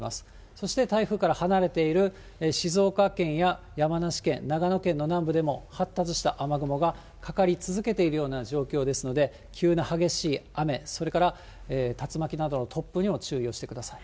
そして台風から離れている静岡県や山梨県、長野県の南部でも、発達した雨雲がかかり続けているような状況ですので、急な激しい雨、それから竜巻などの突風にも注意をしてください。